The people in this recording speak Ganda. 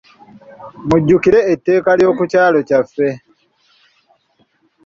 Mujjukire etteeka ly'oku kyalo kyaffe.